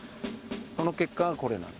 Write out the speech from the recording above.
その結果がこれなの。